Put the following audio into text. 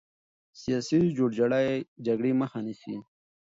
سیاسي جوړجاړی جګړې مخه نیسي